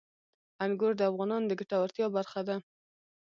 انګور د افغانانو د ګټورتیا برخه ده.